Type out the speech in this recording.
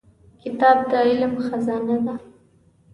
کتاب د علم خزانه ده.